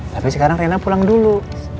tapi sekarang rena pulang dulu